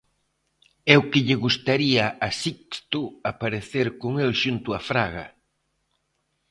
E o que lle gustaría a Sixto aparecer con el xunto a Fraga!